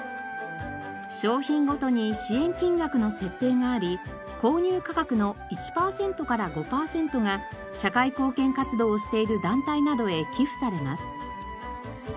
商品ごとに支援金額の設定があり購入価格の１パーセントから５パーセントが社会貢献活動をしている団体などへ寄付されます。